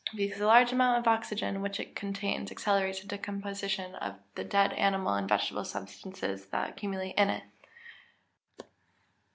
_ Because the large amount of oxygen which it contains accelerates the decomposition of dead animal and vegetable substances that accumulate in it.